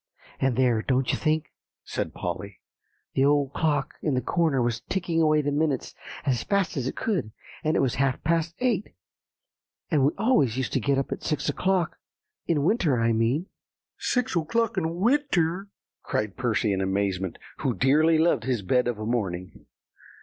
"And there, don't you think," said Polly, "the old clock in the corner was ticking away the minutes as fast as it could; and it was half past eight, and we always used to get up at six o'clock in winter, I mean." "Six o'clock in winter!" cried Percy in amazement, who dearly loved his bed of a morning.